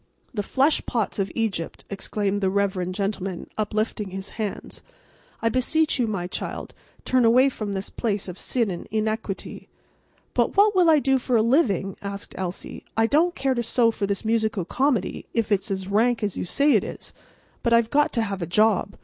"The flesh pots of Egypt," exclaimed the reverend gentleman, uplifting his hands. "I beseech you, my child, to turn away from this place of sin and iniquity." "But what will I do for a living?" asked Elsie. "I don't care to sew for this musical comedy, if it's as rank as you say it is; but I've got to have a job."